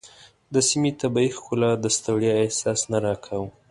د سیمې طبیعي ښکلا د ستړیا احساس نه راکاوه.